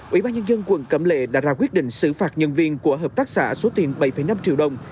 ủy ban nhân dân quận cẩm lệ đã ra quyết định xử phạt nhân viên của hợp tác xã số tiền bảy năm triệu đồng